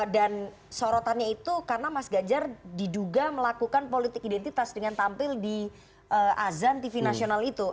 dan sorotannya itu karena mas ganjar diduga melakukan politik identitas dengan tampil di azan tv nasional itu